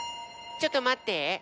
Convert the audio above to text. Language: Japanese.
ちょっとまって。